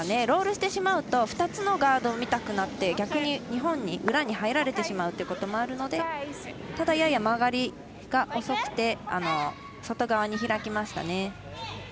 ロールしてしまうと２つのガードを見たくなって逆に日本に裏に入られてしまうということもあるのでただ、やや曲がりが遅くて外側に開きましたね。